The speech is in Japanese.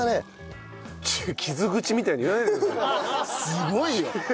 すごいよ！